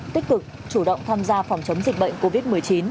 tích cực chủ động tham gia phòng chống dịch bệnh covid một mươi chín